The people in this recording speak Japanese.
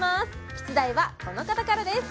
出題はこの方からです